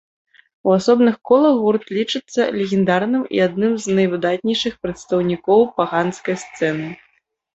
У асобных колах гурт лічыцца легендарным і адным з найвыдатнейшых прадстаўнікоў паганскай сцэны.